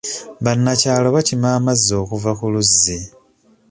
Bannakyalo bakima amazzi okuva ku luzzi.